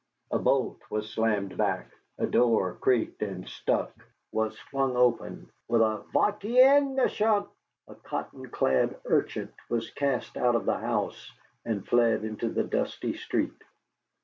A bolt was slammed back, a door creaked and stuck, was flung open, and with a "Va t'en, méchant!" a cotton clad urchin was cast out of the house, and fled into the dusty street.